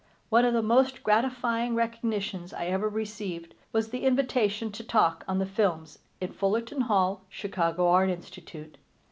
One of the most gratifying recognitions I ever received was the invitation to talk on the films in Fullerton Hall, Chicago Art Institute.